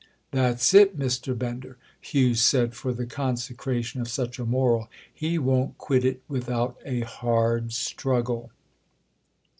"That's it, Mr. Bender," Hugh said for the consecration of such a moral; "he won't quit it without a hard struggle."